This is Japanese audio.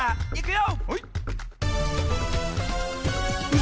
いくよ！